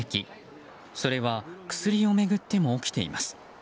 それは薬を巡っても起きています。